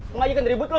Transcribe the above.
mau ngajakin ribut lo